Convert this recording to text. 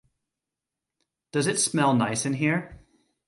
Does it smell nice in here?